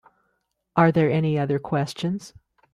Are there any other questions?